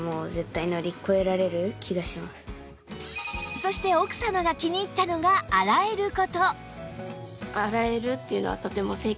そして奥様が気に入ったのが洗える事